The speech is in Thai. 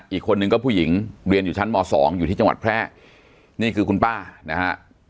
อีกคนนึงก็ผู้หญิงเรียนอยู่ชั้นม๒อยู่ที่จังหวัดแพร่นี่คือคุณป้านะฮะ